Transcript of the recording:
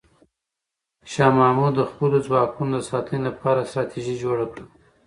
شاه محمود د خپلو ځواکونو د ساتنې لپاره ستراتیژي جوړه کړه.